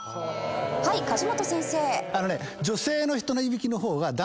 はい梶本先生。